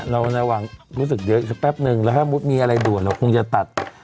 ระวังรู้สึกเยอะอีกสักแป๊บนึงแล้วถ้ามุติมีอะไรด่วนเราคงจะตัด